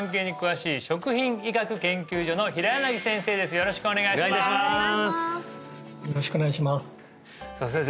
よろしくお願いしますさあ先生